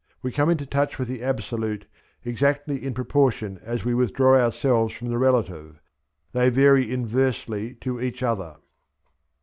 We come into touch with the absolute exactly in proportion as we withdraw ourselves from the relative: they vary inversely to each other.